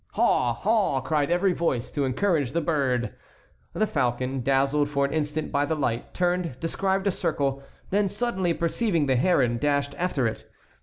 "Haw! Haw!" cried every voice to encourage the bird. The falcon, dazzled for an instant by the light, turned, described a circle, then suddenly perceiving the heron, dashed after it.